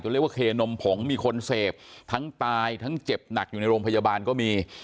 เรียกว่าเคนมผงมีคนเสพทั้งตายทั้งเจ็บหนักอยู่ในโรงพยาบาลก็มี